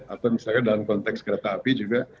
atau misalnya dalam konteks kereta api juga